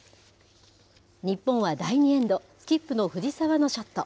日本は第２エンド、スキップの藤澤のショット。